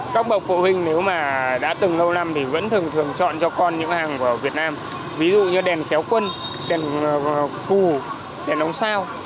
các bậc phụ huynh nếu mà đã từng lâu năm thì vẫn thường thường chọn cho con những hàng của việt nam ví dụ như đèn kéo quân đèn cù đèn ống sao